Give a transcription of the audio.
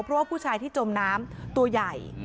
เพราะว่าผู้ชายที่จมน้ำตัวใหญ่